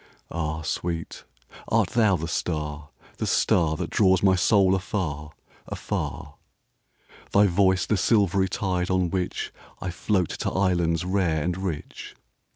Ah, sweet, art thou the star, the starThat draws my soul afar, afar? Thy voice the silvery tide on whichI float to islands rare and rich?